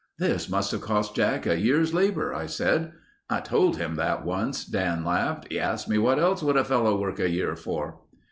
"This must have cost Jack a year's labor," I said. "I told him that once," Dan laughed. "He asked me what else would a fellow work a year for."